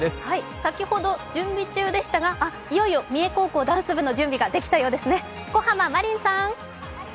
先ほど準備中でしたが、いよいよ三重高校ダンス部の準備ができたようですね。